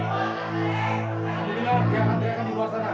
kamu dengar dia akan teriakan di luar sana